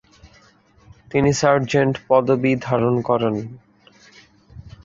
তিনি সার্জেন্ট পদবী ধারণ করেন।